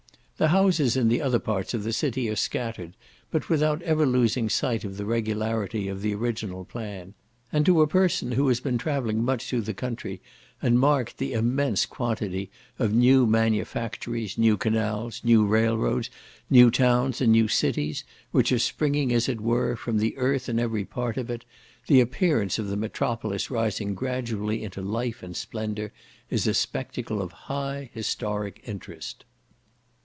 The houses in the other parts of the city are scattered, but without ever losing sight of the regularity of the original plan; and to a person who has been travelling much through the country, and marked the immense quantity of new manufactories, new canals, new railroads, new towns, and new cities, which are springing, as it were, from the earth in every part of it, the appearance of the metropolis rising gradually into life and splendour, is a spectacle of high historic interest.